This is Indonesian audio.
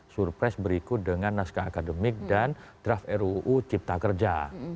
surprise berikut dengan naskah akademik dan draft ruu cipta kerja